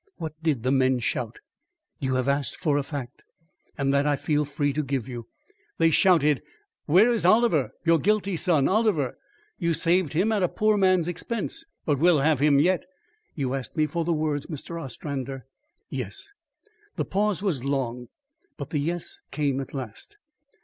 What did the men shout?" "You have asked for a fact, and that I feel free to give you. They shouted, 'Where is Oliver, your guilty son, Oliver? You saved him at a poor man's expense, but we'll have him yet.' You asked me for the words, Mr. Ostrander." "Yes." The pause was long, but the "Yes" came at last.